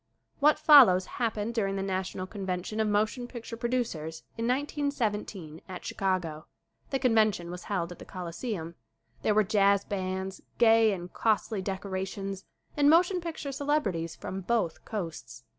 WHAT FOLLOWS happened during the Na tional Convention of Motion Picture Pro ducers in 1917 at Chicago. The convention was held at the Coliseum. There were jazz bands, gay and costly decorations, and motion picture celebrities from both Coasts.